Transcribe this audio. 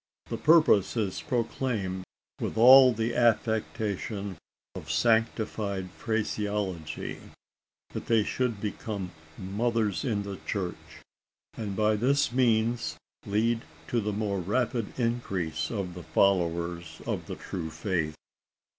The purpose is proclaimed with all the affectation of sanctified phraseology: that they should become "mothers in the church," and by this means lead to the more rapid increase of the followers of the true faith!